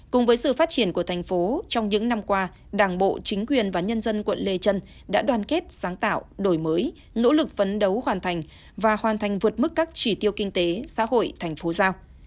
cùng với sự phát triển của thành phố trong những năm qua đảng bộ chính quyền và nhân dân quận lê trân đã đoàn kết sáng tạo đổi mới nỗ lực phấn đấu hoàn thành và hoàn thành vượt mức các chỉ tiêu kinh tế xã hội thành phố giao